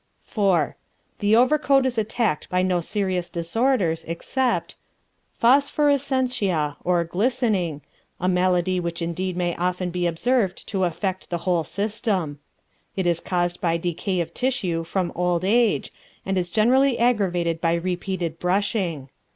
IV. The overcoat is attacked by no serious disorders, except Phosphorescentia, or Glistening, a malady which indeed may often be observed to affect the whole system. It is caused by decay of tissue from old age and is generally aggravated by repeated brushing.